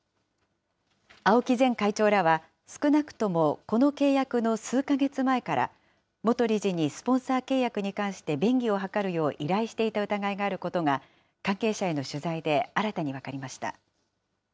青木前会長らは、少なくともこの契約の数か月前から、元理事にスポンサー契約に関して便宜を図るよう依頼していた疑いがあることが、関係者への取材で新たに分かりました。